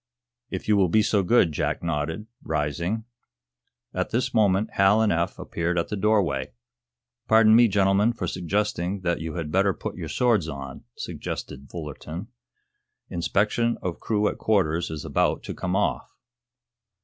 "If you will be so good," Jack nodded, rising. At this moment Hal and Eph appeared at the doorway. "Pardon me, gentlemen, for suggesting that you had better put your swords on," suggested Fullerton, "Inspection of crew at quarters is about to come off."